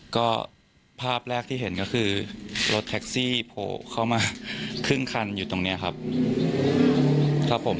ก็ภาพแรกที่เห็นก็คือรถแท็กซี่โผล่เข้ามาครึ่งคันอยู่ตรงนี้ครับครับผม